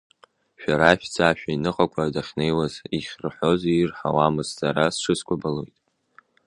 Шәара шәца шәыҩныҟақәа, дахьнеиуаз ирҳәоз иирҳауамызт, сара сҽыскәабалоит.